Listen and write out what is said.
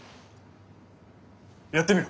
やってみろ。